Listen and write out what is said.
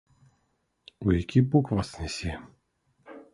У які бок вас нясе?